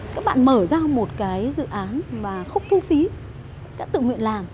các bạn mở ra một cái dự án mà không thu phí đã tự nguyện làm